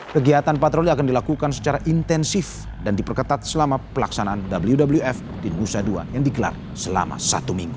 kegiatan patroli akan dilakukan secara intensif dan diperketat selama pelaksanaan wwf di nusa dua yang digelar selama satu minggu